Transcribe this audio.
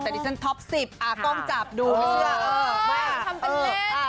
แต่ที่ฉันท็อปสิบอ่าต้องจับดูไม่เชื่อเออเออเออเออเออ